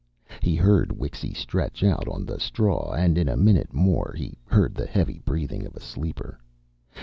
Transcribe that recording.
He heard Wixy stretch out on the straw, and in a minute more he heard the heavy breathing of a sleeper.